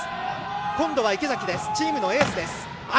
今度は池崎、チームのエース。